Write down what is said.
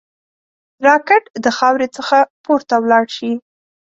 راکټ د خاورې څخه پورته ولاړ شي